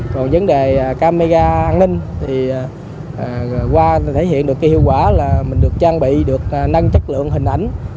còn vấn đề camera an ninh thì qua thể hiện được cái hiệu quả là mình được trang bị được nâng chất lượng hình ảnh